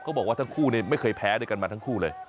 บอกว่าทั้งคู่ไม่เคยแพ้ด้วยกันมาทั้งคู่เลย